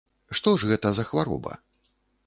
Што ж гэта за хвароба?